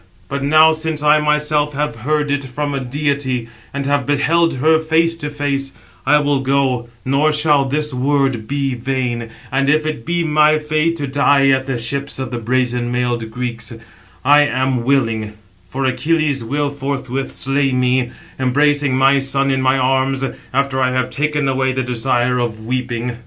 But now since I myself have heard it from a deity, and have beheld her face to face, I will go, nor shall this word be vain and if it be my fate to die at the ships of the brazen mailed Greeks, I am willing; for Achilles will forthwith, slay me, embracing my son in my arms, after I have taken away the desire of weeping."